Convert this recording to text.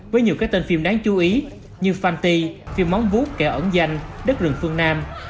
với nhiều cái tên phim đáng chú ý như fanti phim móng bút kẻ ẩn danh đất rừng phương nam